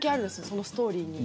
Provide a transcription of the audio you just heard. そのストーリーに。